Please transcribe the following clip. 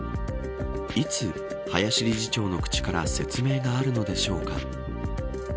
いつ林理事長の口から説明があるのでしょうか。